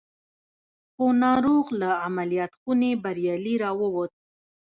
خو ناروغ له عمليات خونې بريالي را ووت.